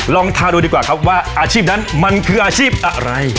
ลองทาดูดีกว่าครับว่าอาชีพนั้นมันคืออาชีพอะไร